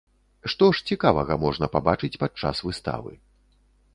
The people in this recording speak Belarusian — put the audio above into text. Што ж цікавага можна пабачыць падчас выставы.